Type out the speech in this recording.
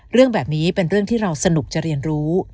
เรื่องแบบนี้เป็นเรื่องที่เราสนุกจะเรียนรู้